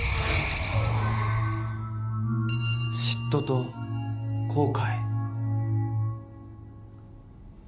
嫉妬と後悔。